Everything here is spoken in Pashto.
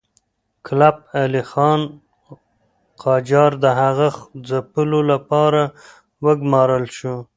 کلب علي خان قاجار د هغه د ځپلو لپاره وګمارل شو.